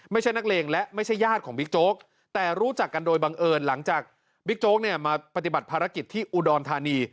ไม่ใช่นักเลงและไม่ใช่ญาติของบิ๊กโจ๊กแต่รู้จักกันโดยบังเอิญหลังจากบิ๊กโจ๊กเนี่ยมาปฏิบัติภารกิจที่อุดรธานี